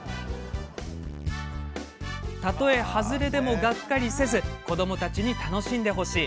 たとえ外れでも、がっかりせず子どもたちに楽しんでほしい。